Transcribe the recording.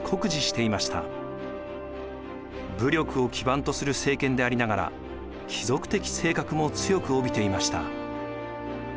武力を基盤とする政権でありながら貴族的性格も強く帯びていました。